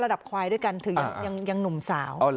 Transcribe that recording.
ระดับควายด้วยกันถือยังหนุ่มสาว